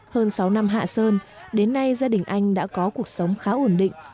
hơn sáu năm hạ sơn đến nay gia đình anh đã có cuộc sống khá ổn định